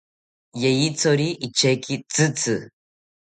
Yeyithori icheki tzitzi